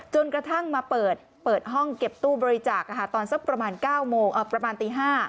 จนกระทั่งมาเปิดห้องเก็บตู้บริจาคตอนสักประมาณตี๕